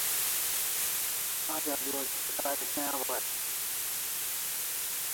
Aj adua kia karik ne abahis